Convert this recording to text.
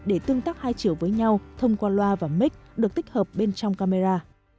để tương tác hai chiều với nhau thông qua loa và mic được tích hợp bên trong camera